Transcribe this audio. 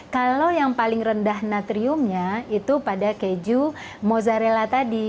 kalau yang paling rendah natriumnya itu pada keju mozzarella tadi